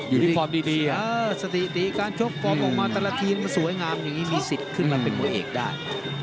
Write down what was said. ฟอร์มดีสถิติการชกฟอร์มออกมาแต่ละทีมันสวยงามอย่างนี้มีสิทธิ์ขึ้นมาเป็นมวยเอกได้